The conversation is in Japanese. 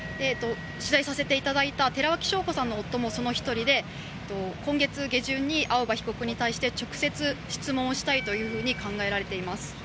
取材させていただいた寺脇晶子さんの夫もその１人で今月下旬に青葉被告に対して直接質問したいと考えられています。